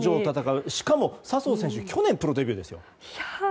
笹生選手は去年プロデビューですよ。